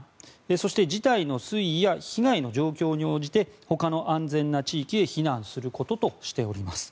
そして、事態の推移や被害の状況に応じて他の安全な地域へ避難することとしております。